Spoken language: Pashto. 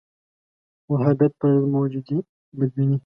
وهابیت پر ضد موجودې بدبینۍ